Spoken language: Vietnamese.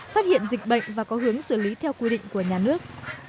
phát hiện dịch bệnh và có hướng xử lý theo quy định của nhà nước